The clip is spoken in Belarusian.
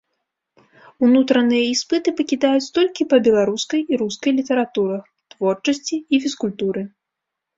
Унутраныя іспыты пакідаюць толькі па беларускай і рускай літаратурах, творчасці і фізкультуры.